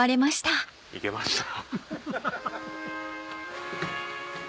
いけました。